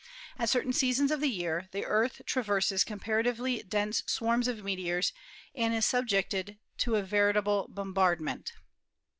At certain seasons of the year the Earth traverses comparatively dense swarms of meteors and is subjected to a veritable bombardment.